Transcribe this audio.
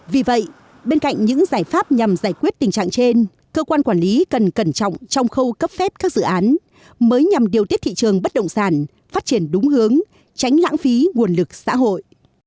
vì vậy bên cạnh những giải pháp nhằm giải quyết tình trạng trên cơ quan quản lý cần cẩn trọng trong khâu cấp phép các dự án mới nhằm điều tiết thị trường bất động sản phát triển đúng hướng tránh lãng phí nguồn lực xã hội